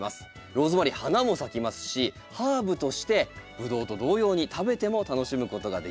ローズマリー花も咲きますしハーブとしてブドウと同様に食べても楽しむことができます。